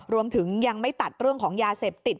รวมถึงยังไม่ตัดเรื่องของยาเสพติด